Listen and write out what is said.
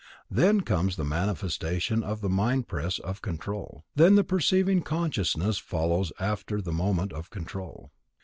Then comes the manifestation of the mind impress of Control. Then the perceiving consciousness follows after the moment of Control.